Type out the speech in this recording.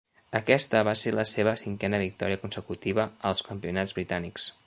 Aquesta va ser la seva cinquena victòria consecutiva als Campionats Britànics.